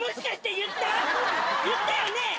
言ったよね？